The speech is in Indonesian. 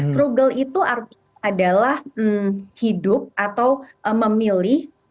frugal itu artinya adalah hidup atau memilih